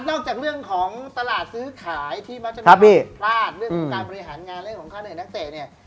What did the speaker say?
นอกจากเรื่องของตลาดซื้อขายที่มัจจันทร์พลาดเรื่องของการบริหารงานเรื่องของข้าวหนึ่งนักเศษ